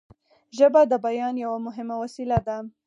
ژبه د بیان یوه مهمه وسیله ده